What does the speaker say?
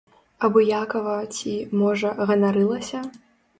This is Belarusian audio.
Абыякава ці, можа, ганарылася?